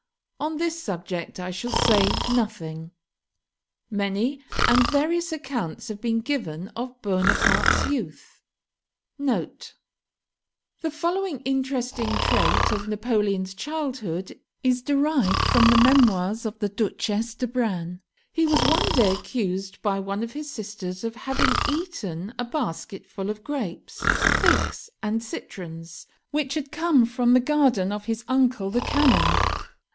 On this subject I shall say nothing. Many and various accounts have been given of Bonaparte's youth. [The following interesting trait of Napoleon's childhood is derived from the 'Memoirs of the Duchesse d'Arbranes': "He was one day accused by one of his sisters of having eaten a basketful of grapes, figs, and citrons, which had come from the garden of his uncle the Canon.